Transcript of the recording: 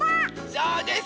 そうです！